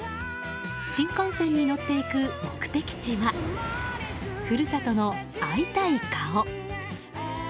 新幹線に乗っていく目的地は故郷の会いたい顔。